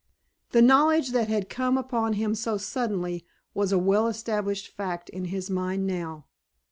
The knowledge that had come upon him so suddenly was a well established fact in his mind now.